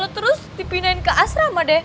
terus dipindahin ke asrama deh